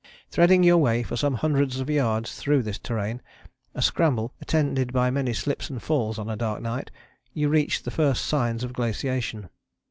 Threading your way for some hundreds of yards through this terrain, a scramble attended by many slips and falls on a dark night, you reached the first signs of glaciation.